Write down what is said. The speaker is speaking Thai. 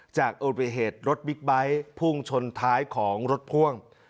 อุบัติเหตุรถบิ๊กไบท์พุ่งชนท้ายของรถพ่วง